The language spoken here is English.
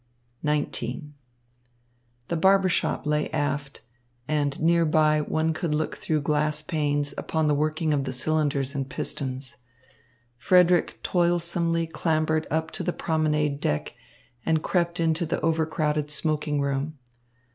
XIX The barbershop lay aft, and nearby one could look through glass panes upon the working of the cylinders and pistons. Frederick toilsomely clambered up to the promenade deck and crept into the overcrowded smoking room.